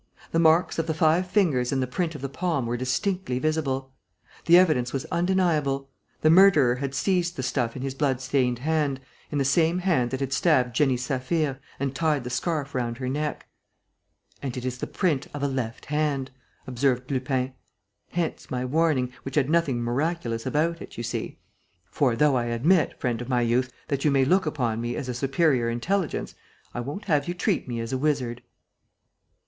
The marks of the five fingers and the print of the palm were distinctly visible. The evidence was undeniable. The murderer had seized the stuff in his bloodstained hand, in the same hand that had stabbed Jenny Saphir, and tied the scarf round her neck. "And it is the print of a left hand," observed Lupin. "Hence my warning, which had nothing miraculous about it, you see. For, though I admit, friend of my youth, that you may look upon me as a superior intelligence, I won't have you treat me as a wizard."